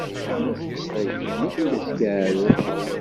Tira s teqbaylit, mačči d askeɛrer.